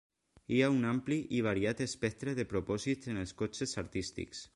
Hi ha un ampli i variat espectre de propòsits en els cotxes artístics.